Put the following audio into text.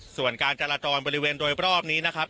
ส่วนการจราจรบริเวณโดยรอบนี้นะครับ